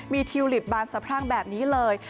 มีทิวลิปบานสะพรั่งแบบนี้เลย